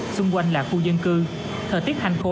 xung quanh là khu dân cư thời tiết hành khô